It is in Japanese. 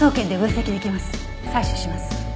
採取します。